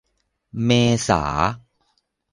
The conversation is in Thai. เมษา